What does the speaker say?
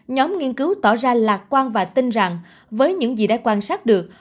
nhóm nghiên cứu tỏ ra lạc quan và tin rằng với những gì đã quan sát được